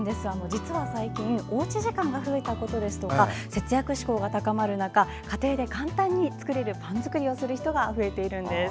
実は最近おうち時間が増えたことですとか節約志向が高まる中家庭で簡単に作れるパン作りをする人が増えているんです。